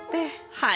はい。